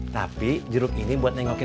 tapi jeruk ini buat nengokin bang ojek